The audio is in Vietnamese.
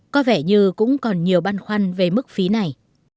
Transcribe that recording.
có vẻ như cũng còn nhiều băn khoăn về mức phí này